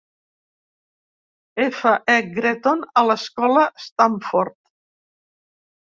F. E. Gretton a l'escola Stamford.